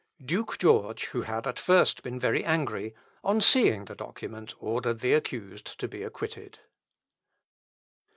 Duke George, who had at first been very angry, on seeing the document ordered the accused to be acquitted.